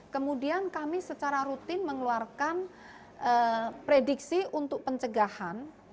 kemudian kami secara rutin mengeluarkan prediksi untuk pencegahan